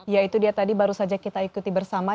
ya itu dia tadi baru saja kita ikuti bersama